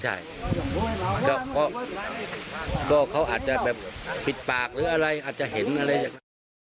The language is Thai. ใช่ก็เขาอาจจะแบบปิดปากหรืออะไรอาจจะเห็นอะไรอย่างนี้